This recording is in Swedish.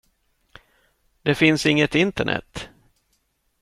Det finns inget internet.